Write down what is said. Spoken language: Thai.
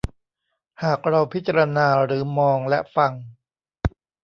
หากเราพิจารณาหรือมองและฟัง